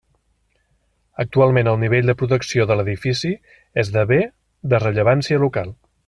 Actualment el nivell de protecció de l'edifici és de Bé de Rellevància Local.